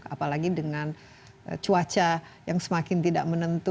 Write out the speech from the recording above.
apalagi dengan cuaca yang semakin tidak menentu